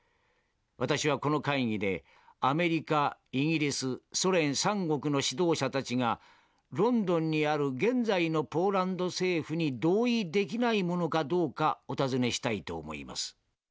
私はこの会議でアメリカイギリスソ連３国の指導者たちがロンドンにある現在のポーランド政府に同意できないものかどうかお尋ねしたいと思います」。